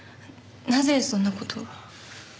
なぜそんな事を？